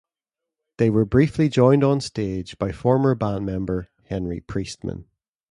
They were briefly joined on stage by former band member, Henry Priestman.